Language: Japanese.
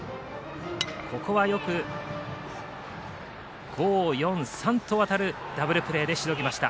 ここはよく５−４−３と渡るダブルプレーでしのぎました。